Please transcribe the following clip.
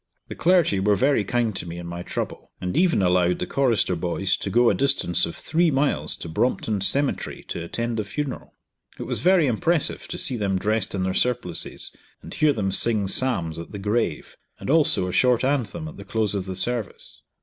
The clergy were very kind to me in my trouble, and even allowed the chorister boys to go a distance of three miles to Brompton Cemetery to attend the funeral. It was very impressive to see them dressed in their surplices, and hear them sing psalms at the grave, and also a short anthem at the close of the service.